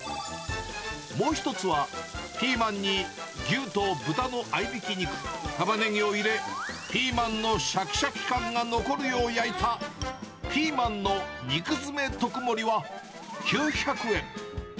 もう一つは、ピーマンに牛と豚の合いびき肉、タマネギを入れ、ピーマンのしゃきしゃき感が残るよう焼いた、ピーマンの肉詰め特盛は９００円。